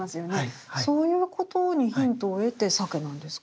そういうことにヒントを得て鮭なんですか？